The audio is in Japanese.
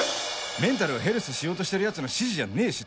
メンタルをヘルスしようとしてるヤツの指示じゃねえし